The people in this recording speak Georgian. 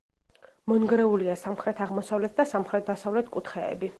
მონგრეულია სამხრეთ-აღმოსავლეთ და სამხრეთ-დასავლეთი კუთხეები.